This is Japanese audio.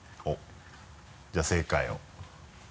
おっじゃあ正解を。